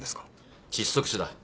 窒息死だ。